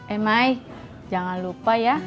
eh mai jangan lupa ya